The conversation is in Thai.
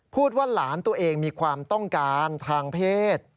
ว่าหลานตัวเองมีความต้องการทางเพศ